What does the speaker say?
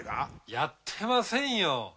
やってませんよ！